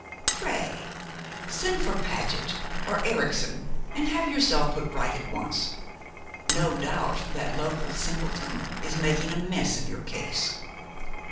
Pray send for Paget or Erichsen, and have yourself put right at once. No doubt that local simpleton is making a mess of your case.